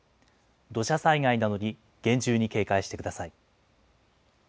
土砂災害などに厳重に警戒してください。